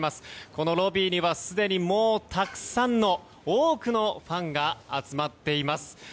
このロビーにはすでにたくさんの多くのファンが集まっています。